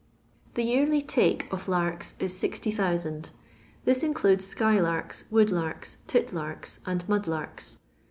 The yearly take" of larks is GU,000. This in cludes sky larks, wood larks, tit larks, and mud larks.